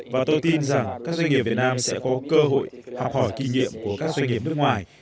và tôi tin rằng các doanh nghiệp việt nam sẽ có cơ hội học hỏi kinh nghiệm của các doanh nghiệp nước ngoài